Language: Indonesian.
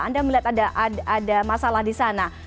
anda melihat ada masalah di sana